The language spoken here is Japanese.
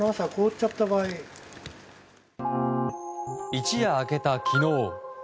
一夜明けた、昨日。